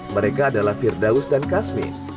mereka adalah firdaus dan kasmin